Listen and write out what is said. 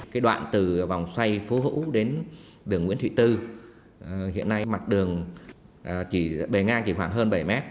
cái đoạn từ vòng xoay phố hữu đến đường nguyễn thụy tư hiện nay mặt đường bề ngang chỉ khoảng hơn bảy mét